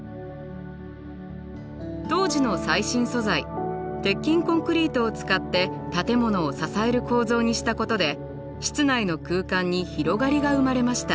当時の最新素材鉄筋コンクリートを使って建物を支える構造にしたことで室内の空間に広がりが生まれました。